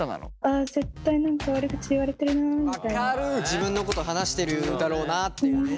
自分のこと話してるだろうなっていうね。